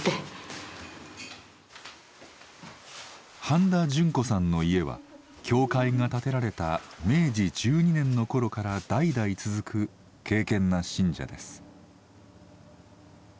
半田淳子さんの家は教会が建てられた明治１２年の頃から代々続く敬けんな信者です。